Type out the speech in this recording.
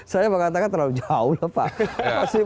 saya mengatakan terlalu jauh lah pak